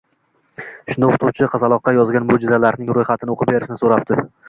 Shunda o`qituvchi qizaloqqa yozgan mo``jizalarining ro`yxatini o`qib berishni so`rabdi